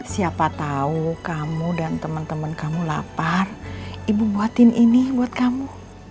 siapa tahu kamu dan teman teman kamu lapar ibu buatin ini buat kamu